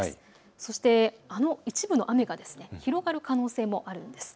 そして一部の雨が広がる可能性もあります。